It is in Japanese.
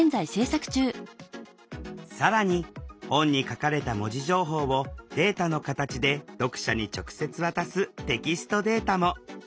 更に本に書かれた文字情報をデータの形で読者に直接渡す「テキストデータ」も。